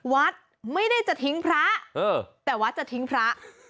วัดไม่ได้จะทิ้งพระแต่วัดจะทิ้งพระ